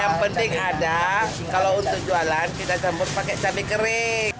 yang penting ada kalau untuk jualan kita campur pakai cabai kering